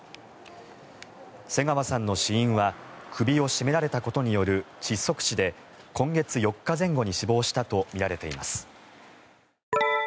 瀬川さんの死因は首を絞められたことによる窒息死で今月４日前後に死亡したとみられています。